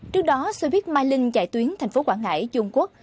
trước đó xe buýt mai linh chạy tuyến thành phố quảng ngãi trung quốc